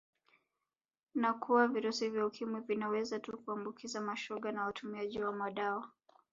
Na kuwa virusi vya Ukimwi vinaweza tu kuambukiza mashoga na watumiaji wa madawa